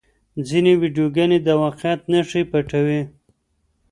ځینې ویډیوګانې د واقعیت نښې پټوي.